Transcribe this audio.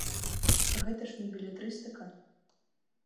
Гэта ж не белетрыстыка.